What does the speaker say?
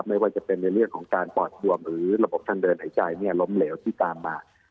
ไม่ว่าจะเป็นในเรื่องของการปอดบวมหรือระบบทางเดินหายใจล้มเหลวที่ตามมา